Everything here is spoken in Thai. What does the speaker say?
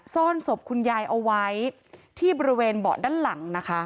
ซ่อนศพคุณยายเอาไว้ที่บริเวณเบาะด้านหลังนะคะ